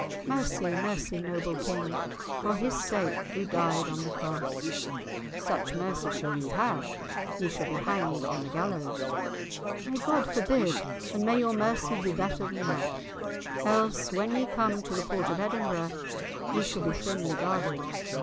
"Mercy, mercy, noble King, for His sake who died on the Cross." "Such mercy shall ye have; ye shall be hanged on the gallows." "May God forbid, and may your mercy be better than that, else, when ye come to the port of Edinburgh, ye shall be thinly guarded.